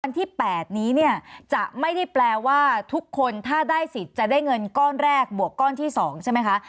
ที่๘นี้เนี่ยจะไม่ได้แปลว่าทุกคนถ้าได้สิทธิ์จะได้เงินก้อนแรกบวกก้อนที่๒ใช่ไหมคะ